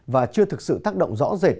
và chưa thực sự tác động rõ rệt